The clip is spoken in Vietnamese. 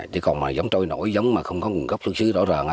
thì còn giống trôi nổi giống mà không có nguồn gốc xuất xứ rõ ràng